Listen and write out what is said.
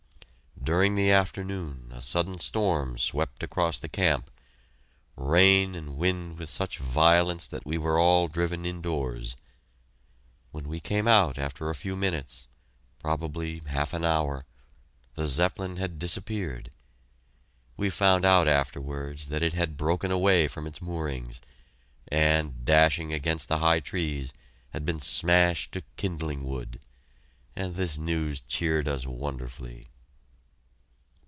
During the afternoon, a sudden storm swept across the camp rain and wind with such violence that we were all driven indoors.... When we came out after a few minutes probably half an hour the Zeppelin had disappeared. We found out afterwards that it had broken away from its moorings, and, dashing against the high trees, had been smashed to kindling wood; and this news cheered us wonderfully!